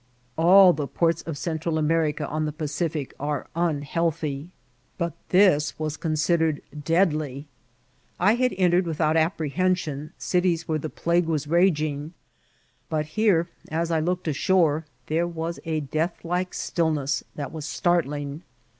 All the ports of Central America on the Pacific are S40 IMCIDBKTS OF TRATSL. anhealthyi but this wss coimdered deadly* I had en* tned without ap|Nrelioiiaoa dties where the pkgue was ragingi but here, as I looked ashore, there was a death* like stiUness that was startling.